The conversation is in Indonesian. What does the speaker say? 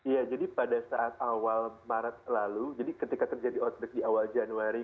ya jadi pada saat awal maret lalu jadi ketika terjadi outbreak di awal januari